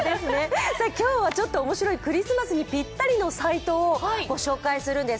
今日はちょっと面白いクリスマスにぴったりのサイトをご紹介します。